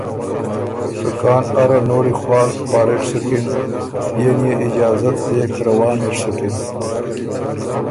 که کان اره نوړی خوالک، فارغ سُکِن، بيې ن يې اجازت زېک روان اِر سُکِن۔